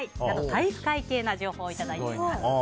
体育会系な情報をいただいています。